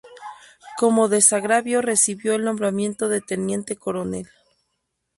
Como desagravio recibió el nombramiento de teniente coronel.